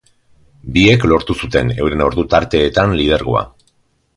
Biek lortu zuten euren ordu tarteetan lidergoa.